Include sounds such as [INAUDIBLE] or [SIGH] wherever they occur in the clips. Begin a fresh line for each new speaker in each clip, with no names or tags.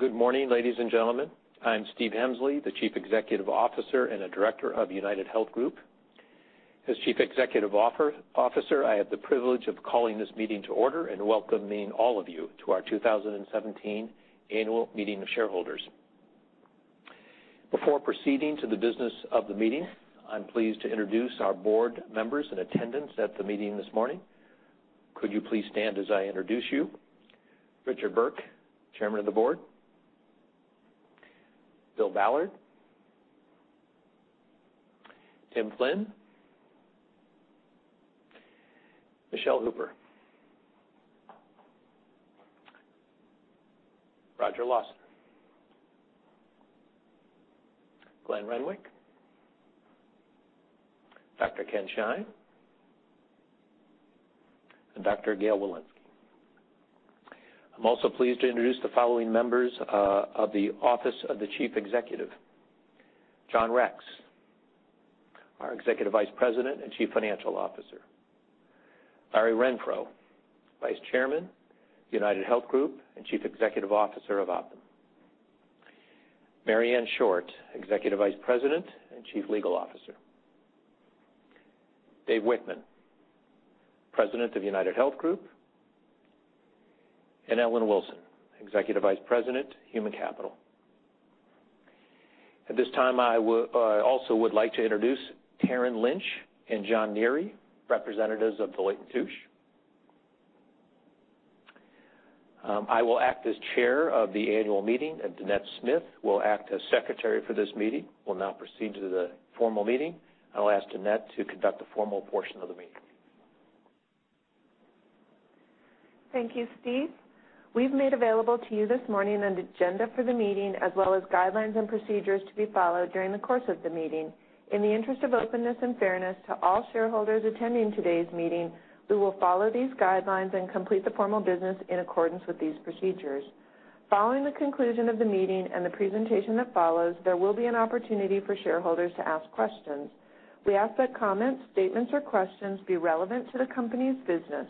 Good morning, ladies and gentlemen. I'm Stephen Hemsley, the Chief Executive Officer and a Director of UnitedHealth Group. As Chief Executive Officer, I have the privilege of calling this meeting to order and welcoming all of you to our 2017 annual meeting of shareholders. Before proceeding to the business of the meeting, I'm pleased to introduce our board members in attendance at the meeting this morning. Could you please stand as I introduce you? Richard Burke, Chairman of the Board. Bill Ballard. Tim Flynn. Michele Hooper. Roger Lawson. Glenn Renwick. Dr. Ken Shine. Dr. Gail Wilensky. I'm also pleased to introduce the following members of the Office of the Chief Executive. John Rex, our Executive Vice President and Chief Financial Officer. Larry Renfro, Vice Chairman, UnitedHealth Group, and Chief Executive Officer of Optum. Marianne Short, Executive Vice President and Chief Legal Officer. Dave Wichmann, President of UnitedHealth Group, and Ellen Wilson, Executive Vice President, Human Capital. At this time, I also would like to introduce Taryn Lynch and John Neary, representatives of Deloitte & Touche. I will act as chair of the annual meeting, and Dannette Smith will act as secretary for this meeting. We'll now proceed to the formal meeting. I'll ask Dannette to conduct the formal portion of the meeting.
Thank you, Steve. We've made available to you this morning an agenda for the meeting, as well as guidelines and procedures to be followed during the course of the meeting. In the interest of openness and fairness to all shareholders attending today's meeting, we will follow these guidelines and complete the formal business in accordance with these procedures. Following the conclusion of the meeting and the presentation that follows, there will be an opportunity for shareholders to ask questions. We ask that comments, statements, or questions be relevant to the company's business.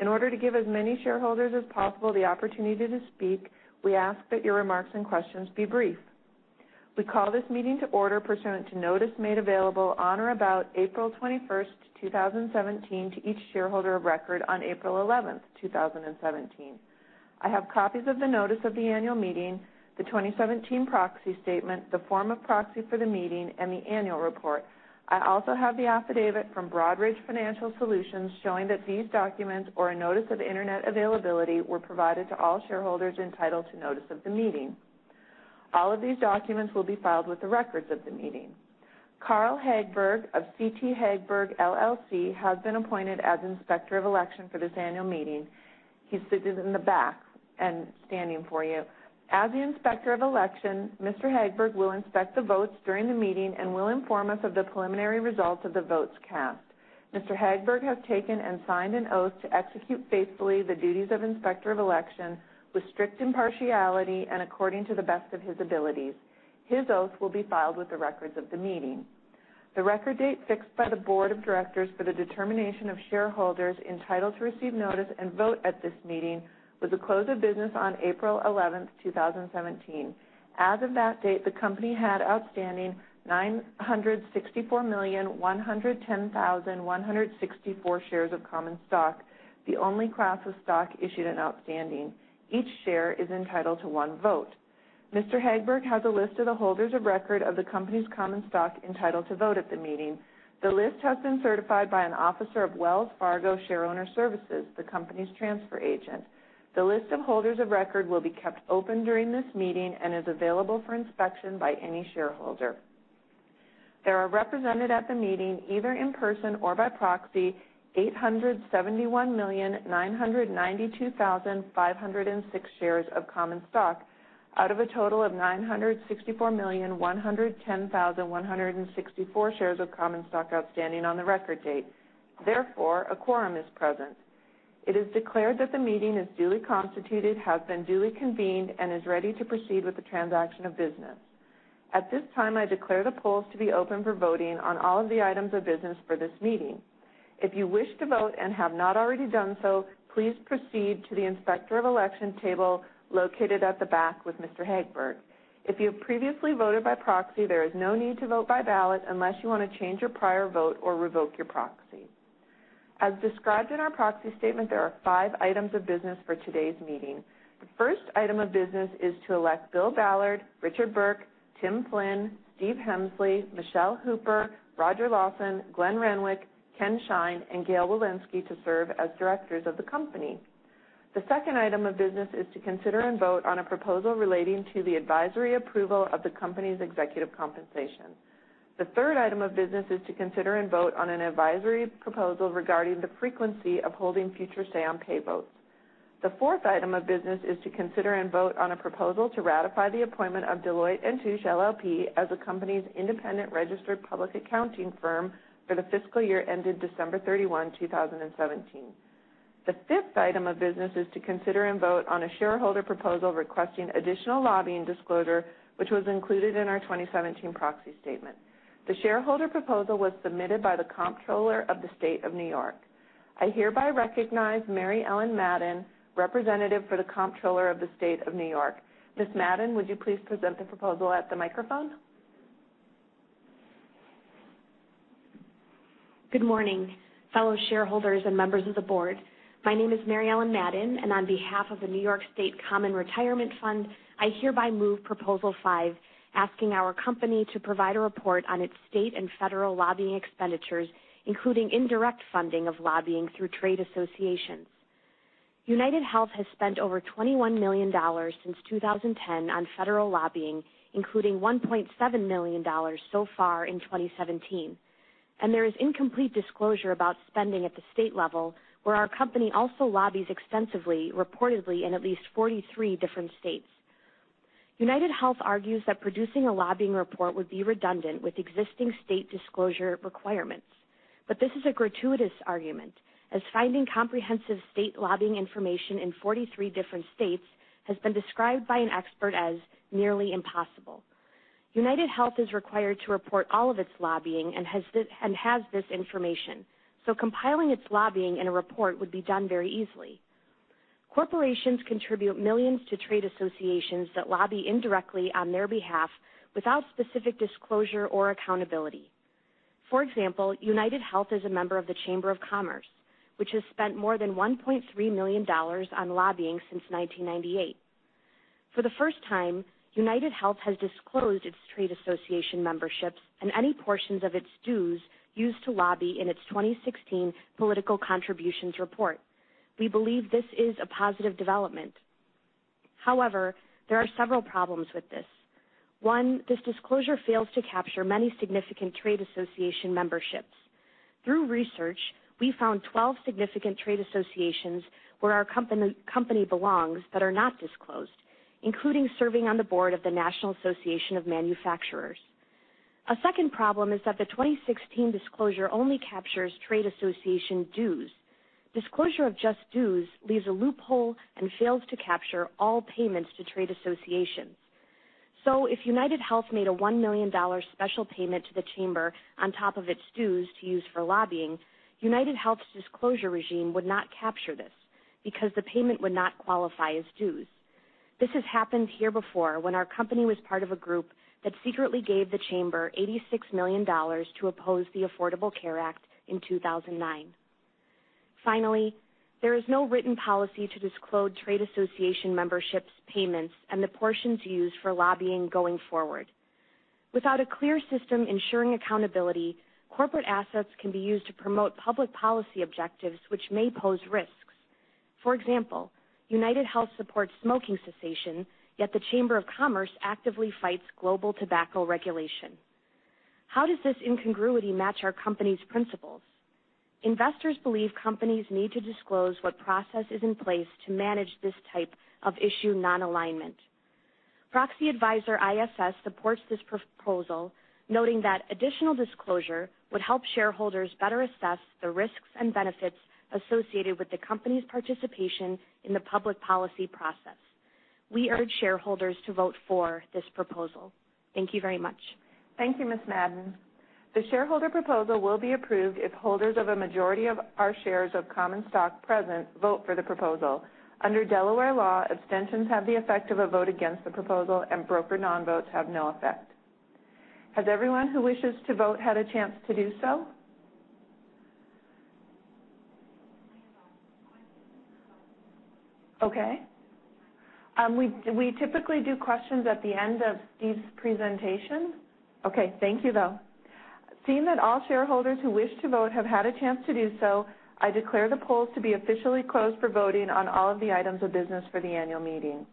In order to give as many shareholders as possible the opportunity to speak, we ask that your remarks and questions be brief. We call this meeting to order pursuant to notice made available on or about April 21st, 2017, to each shareholder of record on April 11th, 2017. I have copies of the notice of the annual meeting, the 2017 proxy statement, the form of proxy for the meeting, and the annual report. I also have the affidavit from Broadridge Financial Solutions showing that these documents or a notice of internet availability were provided to all shareholders entitled to notice of the meeting. All of these documents will be filed with the records of the meeting. Carl Hagberg of CT Hagberg LLC has been appointed as Inspector of Election for this annual meeting. He sits in the back and standing for you. As the Inspector of Election, Mr. Hagberg will inspect the votes during the meeting and will inform us of the preliminary results of the votes cast. Mr. Hagberg has taken and signed an oath to execute faithfully the duties of Inspector of Election with strict impartiality and according to the best of his abilities. His oath will be filed with the records of the meeting. The record date fixed by the Board of Directors for the determination of shareholders entitled to receive notice and vote at this meeting was the close of business on April 11th, 2017. As of that date, the company had outstanding 964,110,164 shares of common stock, the only class of stock issued and outstanding. Each share is entitled to one vote. Mr. Hagberg has a list of the holders of record of the company's common stock entitled to vote at the meeting. The list has been certified by an officer of Wells Fargo Shareowner Services, the company's transfer agent. The list of holders of record will be kept open during this meeting and is available for inspection by any shareholder. There are represented at the meeting, either in person or by proxy, 871,992,506 shares of common stock out of a total of 964,110,164 shares of common stock outstanding on the record date. Therefore, a quorum is present. It is declared that the meeting is duly constituted, has been duly convened, and is ready to proceed with the transaction of business. At this time, I declare the polls to be open for voting on all of the items of business for this meeting. If you wish to vote and have not already done so, please proceed to the Inspector of Election table located at the back with Mr. Hagberg. If you have previously voted by proxy, there is no need to vote by ballot unless you want to change your prior vote or revoke your proxy. As described in our proxy statement, there are five items of business for today's meeting. The first item of business is to elect Bill Ballard, Richard Burke, Tim Flynn, Steve Hemsley, Michele Hooper, Rodger Lawson, Glenn Renwick, Ken Shine, and Gail Wilensky to serve as directors of the company. The second item of business is to consider and vote on a proposal relating to the advisory approval of the company's executive compensation. The third item of business is to consider and vote on an advisory proposal regarding the frequency of holding future say on pay votes. The fourth item of business is to consider and vote on a proposal to ratify the appointment of Deloitte & Touche LLP as the company's independent registered public accounting firm for the fiscal year ended December 31, 2017. The fifth item of business is to consider and vote on a shareholder proposal requesting additional lobbying disclosure, which was included in our 2017 proxy statement. The shareholder proposal was submitted by the Comptroller of the State of New York. I hereby recognize Mary Ellen Madden, representative for the Comptroller of the State of New York. Ms. Madden, would you please present the proposal at the microphone?
Good morning, fellow shareholders and members of the board. My name is Mary Ellen Madden, and on behalf of the New York State Common Retirement Fund, I hereby move Proposal Five, asking our company to provide a report on its state and federal lobbying expenditures, including indirect funding of lobbying through trade associations. UnitedHealth has spent over $21 million since 2010 on federal lobbying, including $1.7 million so far in 2017. There is incomplete disclosure about spending at the state level, where our company also lobbies extensively, reportedly in at least 43 different states. UnitedHealth argues that producing a lobbying report would be redundant with existing state disclosure requirements. This is a gratuitous argument, as finding comprehensive state lobbying information in 43 different states has been described by an expert as nearly impossible. UnitedHealth is required to report all of its lobbying and has this information, compiling its lobbying in a report would be done very easily. Corporations contribute millions to trade associations that lobby indirectly on their behalf without specific disclosure or accountability. For example, UnitedHealth is a member of the Chamber of Commerce, which has spent more than $1.3 million on lobbying since 1998. For the first time, UnitedHealth has disclosed its trade association memberships and any portions of its dues used to lobby in its 2016 political contributions report. We believe this is a positive development. There are several problems with this. One, this disclosure fails to capture many significant trade association memberships. Through research, we found 12 significant trade associations where our company belongs that are not disclosed, including serving on the board of the National Association of Manufacturers. A second problem is that the 2016 disclosure only captures trade association dues. Disclosure of just dues leaves a loophole and fails to capture all payments to trade associations. If UnitedHealth made a $1 million special payment to the Chamber on top of its dues to use for lobbying, UnitedHealth's disclosure regime would not capture this because the payment would not qualify as dues. This has happened here before when our company was part of a group that secretly gave the Chamber $86 million to oppose the Affordable Care Act in 2009. Finally, there is no written policy to disclose trade association memberships' payments and the portions used for lobbying going forward. Without a clear system ensuring accountability, corporate assets can be used to promote public policy objectives, which may pose risks. For example, UnitedHealth supports smoking cessation, yet the Chamber of Commerce actively fights global tobacco regulation. How does this incongruity match our company's principles? Investors believe companies need to disclose what process is in place to manage this type of issue non-alignment. Proxy advisor ISS supports this proposal, noting that additional disclosure would help shareholders better assess the risks and benefits associated with the company's participation in the public policy process. We urge shareholders to vote for this proposal. Thank you very much.
Thank you, Ms. Madden. The shareholder proposal will be approved if holders of a majority of our shares of common stock present vote for the proposal. Under Delaware law, abstentions have the effect of a vote against the proposal, and broker non-votes have no effect. Has everyone who wishes to vote had a chance to do so? Okay. We typically do questions at the end of Steve's presentation. Okay, thank you, though. Seeing that all shareholders who wish to vote have had a chance to do so, I declare the polls to be officially closed for voting on all of the items of business for the annual meeting.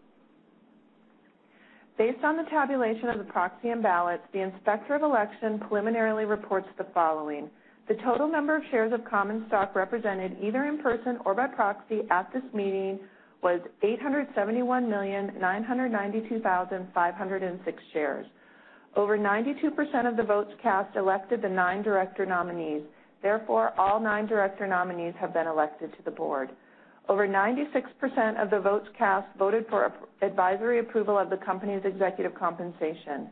Based on the tabulation of the proxy and ballots, the Inspector of Election preliminarily reports the following. The total number of shares of common stock represented either in person or by proxy at this meeting was 871,992,506 shares. Over 92% of the votes cast elected the nine director nominees. All nine director nominees have been elected to the board. Over 96% of the votes cast voted for advisory approval of the company's executive compensation.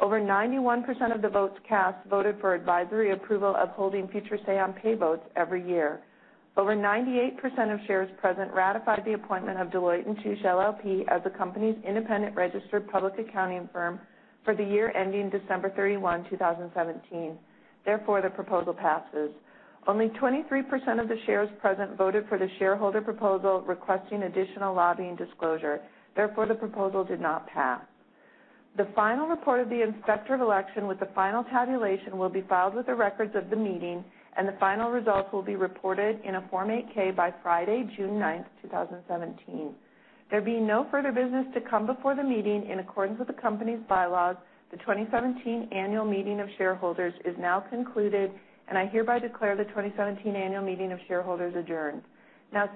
Over 91% of the votes cast voted for advisory approval of holding future say-on-pay votes every year. Over 98% of shares present ratified the appointment of Deloitte & Touche LLP as the company's independent registered public accounting firm for the year ending December 31, 2017. The proposal passes. Only 23% of the shares present voted for the shareholder proposal requesting additional lobbying disclosure. The proposal did not pass. The final report of the Inspector of Election with the final tabulation will be filed with the records of the meeting, and the final results will be reported in a Form 8-K by Friday, June 9th, 2017. There being no further business to come before the meeting in accordance with the company's bylaws, the 2017 Annual Meeting of Shareholders is now concluded, and I hereby declare the 2017 Annual Meeting of Shareholders adjourned.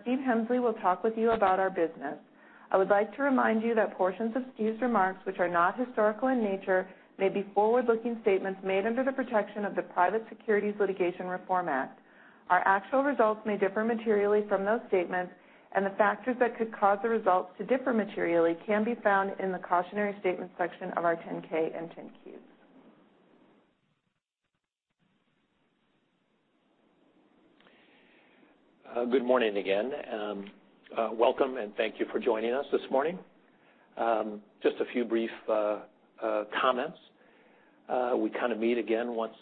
Steve Hemsley will talk with you about our business. I would like to remind you that portions of Steve's remarks, which are not historical in nature, may be forward-looking statements made under the protection of the Private Securities Litigation Reform Act. Our actual results may differ materially from those statements, and the factors that could cause the results to differ materially can be found in the Cautionary Statement section of our 10-K and 10-Qs.
Good morning again. Welcome and thank you for joining us this morning. Just a few brief comments. We meet again, once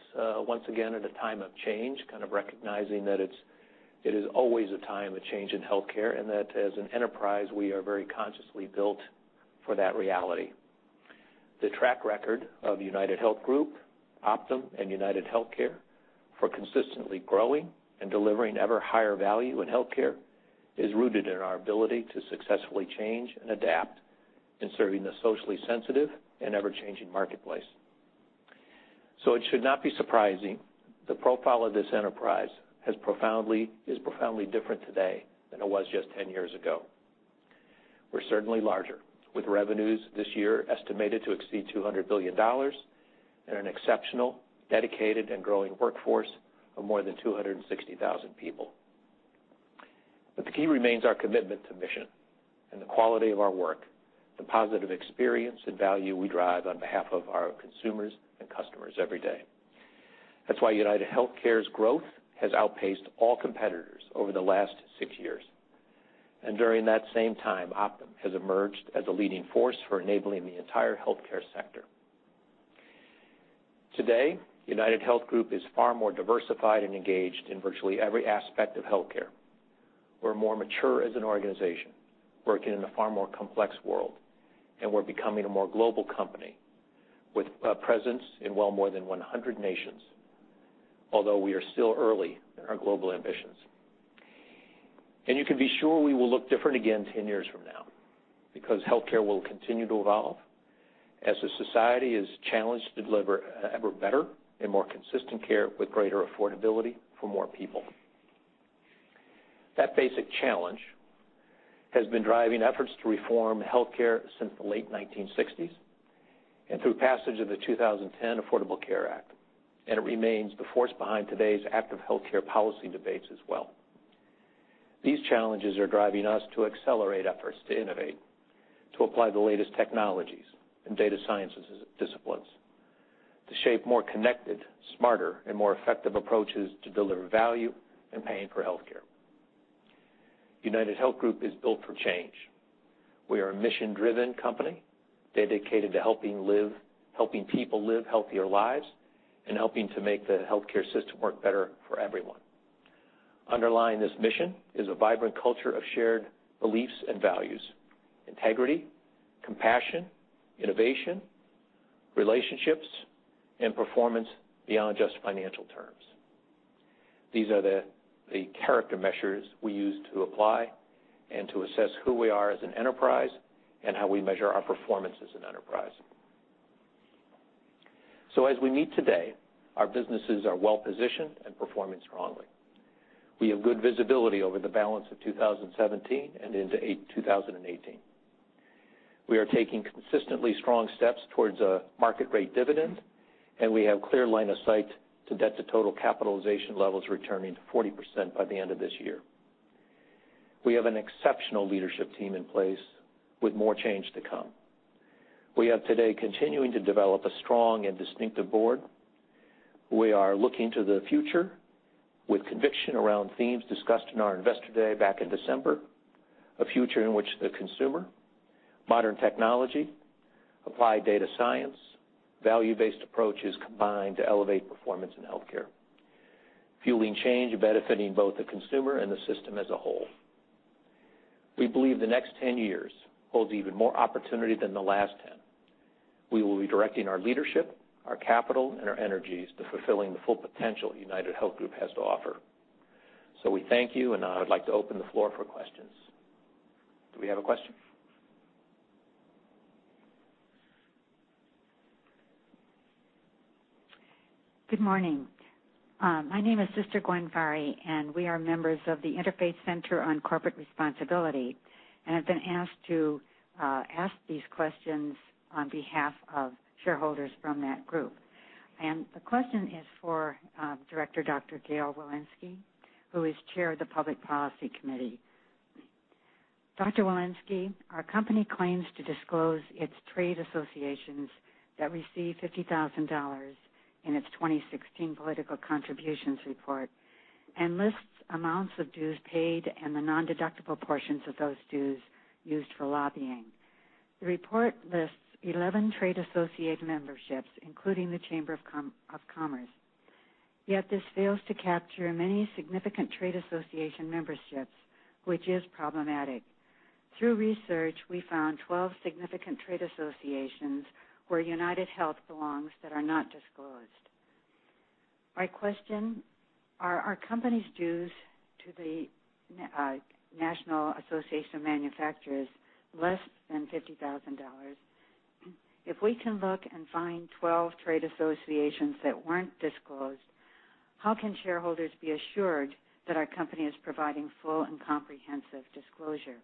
again at a time of change, recognizing that it is always a time of change in healthcare and that as an enterprise, we are very consciously built for that reality. The track record of UnitedHealth Group, Optum, and UnitedHealthcare for consistently growing and delivering ever higher value in healthcare is rooted in our ability to successfully change and adapt in serving the socially sensitive and ever-changing marketplace. It should not be surprising the profile of this enterprise is profoundly different today than it was just 10 years ago. We're certainly larger, with revenues this year estimated to exceed $200 billion and an exceptional, dedicated, and growing workforce of more than 260,000 people. The key remains our commitment to mission and the quality of our work, the positive experience and value we drive on behalf of our consumers and customers every day. That's why UnitedHealthcare's growth has outpaced all competitors over the last six years, and during that same time, Optum has emerged as a leading force for enabling the entire healthcare sector. Today, UnitedHealth Group is far more diversified and engaged in virtually every aspect of healthcare. We're more mature as an organization, working in a far more complex world, and we're becoming a more global company with a presence in well more than 100 nations, although we are still early in our global ambitions. You can be sure we will look different again 10 years from now, because healthcare will continue to evolve as the society is challenged to deliver ever better and more consistent care with greater affordability for more people. That basic challenge has been driving efforts to reform healthcare since the late 1960s and through passage of the 2010 Affordable Care Act, and it remains the force behind today's active healthcare policy debates as well. These challenges are driving us to accelerate efforts to innovate, to apply the latest technologies and data sciences disciplines, to shape more connected, smarter, and more effective approaches to deliver value and paying for healthcare. UnitedHealth Group is built for change. We are a mission-driven company dedicated to helping people live healthier lives and helping to make the healthcare system work better for everyone. Underlying this mission is a vibrant culture of shared beliefs and values, integrity, compassion, innovation, relationships, and performance beyond just financial terms. These are the character measures we use to apply and to assess who we are as an enterprise and how we measure our performance as an enterprise. As we meet today, our businesses are well positioned and performing strongly. We have good visibility over the balance of 2017 and into 2018. We are taking consistently strong steps towards a market rate dividend, and we have clear line of sight to debt-to-total capitalization levels returning to 40% by the end of this year. We have an exceptional leadership team in place with more change to come. We are today continuing to develop a strong and distinctive board. We are looking to the future with conviction around themes discussed in our investor day back in December, a future in which the consumer, modern technology, applied data science, value-based approaches combined to elevate performance in healthcare, fueling change benefiting both the consumer and the system as a whole. We believe the next 10 years holds even more opportunity than the last 10. We will be directing our leadership, our capital, and our energies to fulfilling the full potential UnitedHealth Group has to offer. We thank you, and now I'd like to open the floor for questions. Do we have a question?
Good morning. My name is Sister Gwen Vare, we are members of the Interfaith Center on Corporate Responsibility, and have been asked to ask these questions on behalf of shareholders from that group. The question is for Director Dr. Gail Wilensky, who is chair of the Public Policy Committee. Dr. Wilensky, our company claims to disclose its trade associations that receive $50,000 in its 2016 political contributions report and lists amounts of dues paid and the nondeductible portions of those dues used for lobbying. The report lists 11 trade association memberships, including the Chamber of Commerce. This fails to capture many significant trade association memberships, which is problematic. Through research, we found 12 significant trade associations where UnitedHealth belongs that are not disclosed. My question, are our company's dues to the National Association of Manufacturers less than $50,000? If we can look and find 12 trade associations that weren't disclosed, how can shareholders be assured that our company is providing full and comprehensive disclosure?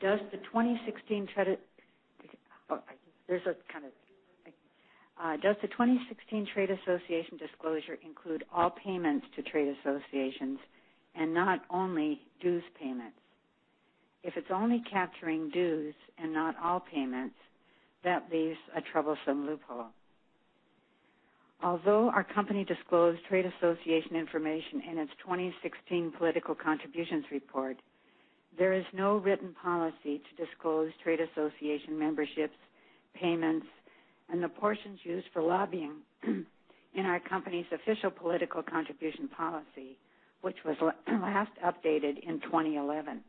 Does the 2016 Trade Association disclosure include all payments to trade associations and not only dues payments? If it's only capturing dues and not all payments, that leaves a troublesome loophole. Although our company disclosed trade association information in its 2016 political contributions report, there is no written policy to disclose trade association memberships, payments, and the portions used for lobbying in our company's official political contribution policy, which was last updated in 2011.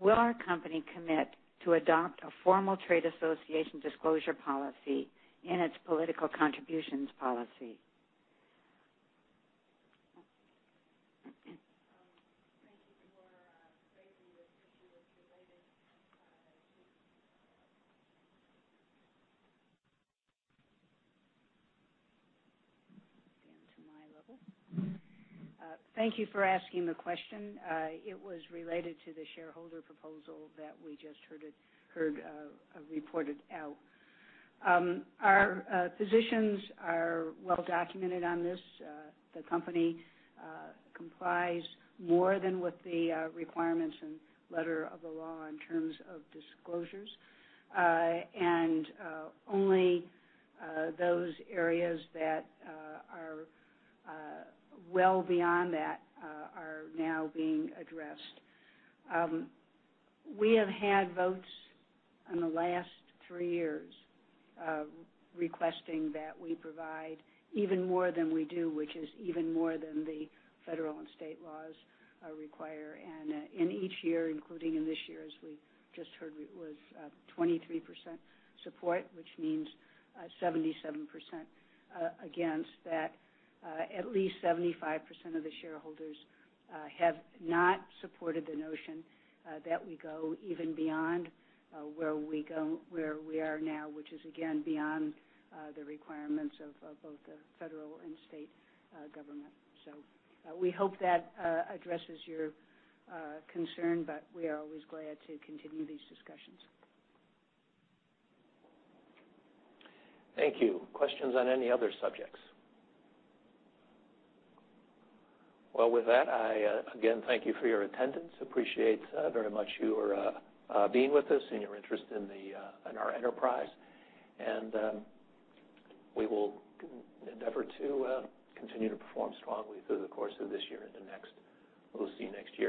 Will our company commit to adopt a formal trade association disclosure policy in its political contributions policy?
Thank you for raising this issue, which related to. [INAUDIBLE] Thank you for asking the question. It was related to the shareholder proposal that we just heard reported out. Our positions are well documented on this. The company complies more than with the requirements and letter of the law in terms of disclosures, only those areas that are well beyond that are now being addressed. We have had votes in the last three years requesting that we provide even more than we do, which is even more than the federal and state laws require. In each year, including in this year, as we just heard, it was 23% support, which means 77% against that. At least 75% of the shareholders have not supported the notion that we go even beyond where we are now, which is, again, beyond the requirements of both the federal and state government. We hope that addresses your concern, but we are always glad to continue these discussions.
Thank you. Questions on any other subjects? Well, with that, I again thank you for your attendance. Appreciate very much your being with us and your interest in our enterprise. We will endeavor to continue to perform strongly through the course of this year and the next. We'll see you next year